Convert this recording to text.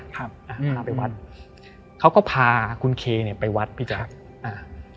ครับอ่าพาไปวัดเขาก็พาคุณเคเนี่ยไปวัดพี่แจ๊คอ่า